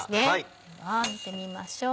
では見てみましょう。